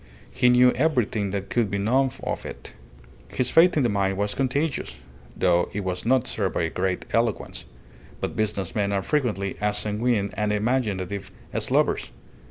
He knew everything that could be known of it. His faith in the mine was contagious, though it was not served by a great eloquence; but business men are frequently as sanguine and imaginative as lovers.